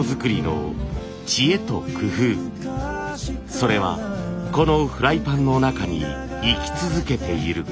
それはこのフライパンの中に生き続けている。